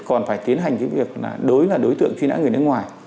còn phải tiến hành việc đối với đối tượng truy nã người nước ngoài